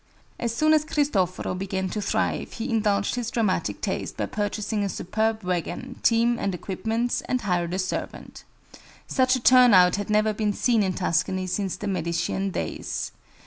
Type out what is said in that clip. As soon as Cristoforo began to thrive, he indulged his dramatic taste by purchasing a superb wagon, team, and equipments, and hired a servant. Such a turnout had never been seen in Tuscany since the Medician days.